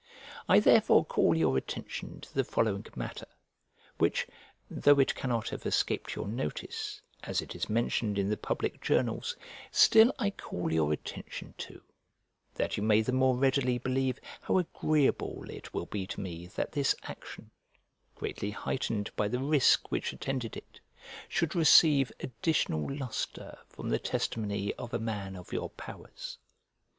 I therefore call your attention to the following matter, which, though it cannot have escaped your notice, as it is mentioned in the public journals, still I call your attention to, that you may the more readily believe how agreeable it will be to me that this action, greatly heightened by the risk which attended it, should receive additional lustre from the testimony of a man of your powers.